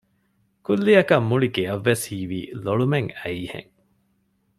ކުއްލިއަކަށް މުޅި ގެޔަށްވެސް ހީވީ ލޮޅުމެއް އައީހެން